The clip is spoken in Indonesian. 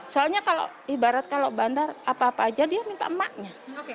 soalnya kalau ibarat kalau bandar apa apa aja dia minta emaknya